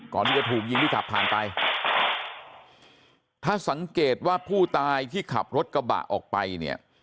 ก่อนที่จะถูกยิงที่ขับผ่านไปถ้าสังเกตว่าผู้ตายที่ขับรถกระบะออกไปเนี่ย